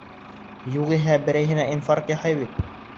Юғиһә, берәйһенә инфаркт яһай бит.